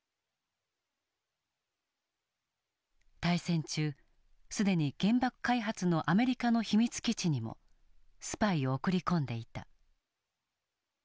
大戦中既に原爆開発のアメリカの秘密基地にもスパイを送り込んでいた。